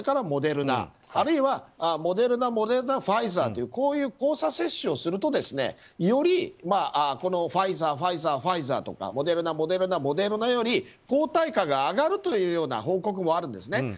モデルナあるいはモデルナ、モデルナファイザーというこういう交差接種をするとよりファイザー、ファイザーファイザーとかモデルナ、モデルナモデルナより抗体価が上がるというような報告もあるんですね。